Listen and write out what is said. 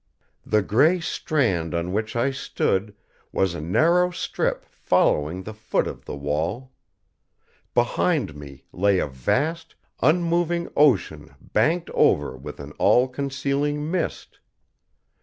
The gray strand on which I stood was a narrow strip following the foot of the wall. Behind me lay a vast, unmoving ocean banked over with an all concealing mist.